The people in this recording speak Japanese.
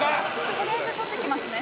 取りあえず取ってきますね。